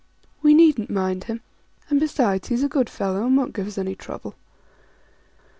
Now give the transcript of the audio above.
We needn't mind him ; besides, he's a good fellow, and won't give us any trouble."